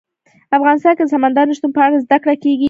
افغانستان کې د سمندر نه شتون په اړه زده کړه کېږي.